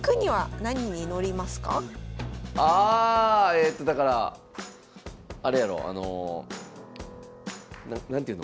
えとだからあれやろな何ていうの？